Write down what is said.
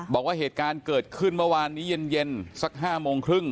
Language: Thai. บอกว่าเหตุการณ์เกิดขึ้นเมื่อวานนี้เย็นสัก๕โมงครึ่ง